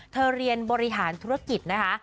เรียนบริหารธุรกิจนะคะ